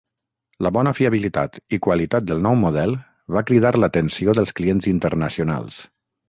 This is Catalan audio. La bona fiabilitat i qualitat del nou model va cridar l'atenció de clients internacionals.